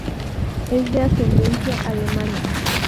Es de ascendencia alemana.